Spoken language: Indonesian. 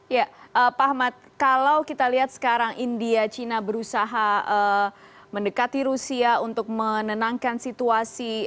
ya pak ahmad kalau kita lihat sekarang india china berusaha mendekati rusia untuk menenangkan situasi